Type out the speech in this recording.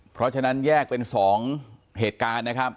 เพราะฉะนั้นแยกเป็น๒เหตุการณ์นะครับ